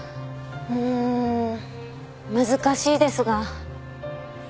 うん難しいですが。